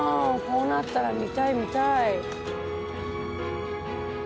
こうなったら見たい見たい！